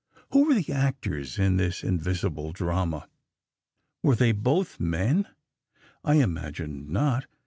"Who were the actors in this invisible drama? Were they both men? I imagined not!